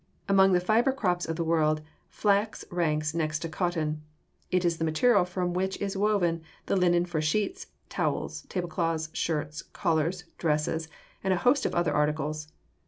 = Among the fiber crops of the world, flax ranks next to cotton. It is the material from which is woven the linen for sheets, towels, tablecloths, shirts, collars, dresses, and a host of other articles.